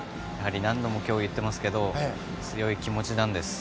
何度も今日言っていますけど強い気持ちです。